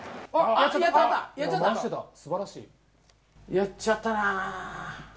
やっちゃった！